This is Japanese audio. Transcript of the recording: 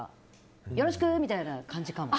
よろしく！みたいな感じかも。